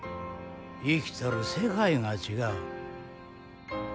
生きとる世界が違う。